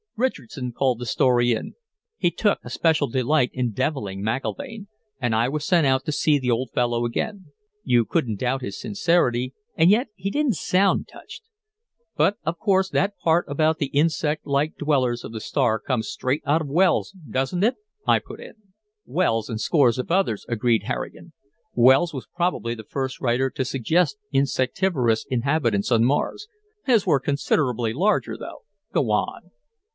Richardson called the story in; he took a special delight in deviling McIlvaine, and I was sent out to see the old fellow again. "You couldn't doubt his sincerity. And yet he didn't sound touched." "But, of course, that part about the insect like dwellers of the star comes straight out of Wells, doesn't it?" I put in. "Wells and scores of others," agreed Harrigan. "Wells was probably the first writer to suggest insectivorous inhabitants on Mars; his were considerably larger, though." "Go on."